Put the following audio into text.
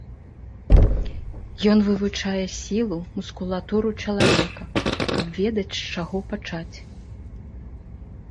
Ён вывучае сілу, мускулатуру чалавека, каб ведаць, з чаго пачаць.